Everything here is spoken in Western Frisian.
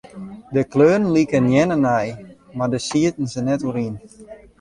De kleuren liken nearne nei, mar dêr sieten se net oer yn.